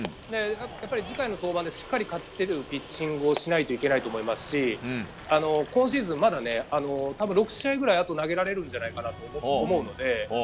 次回の登板でしっかり勝てるピッチングをしないといけないと思いますし今シーズン、まだ６試合くらい投げられるんじゃないかなと思うので。